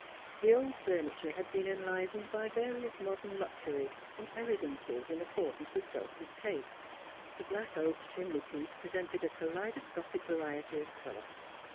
The old furni ture had been enlivenedby variousmodern luxuries and elegancies in accordance with Dulcie's taste. The black oak chimney piece presented a kaleidoscopic variety of colour.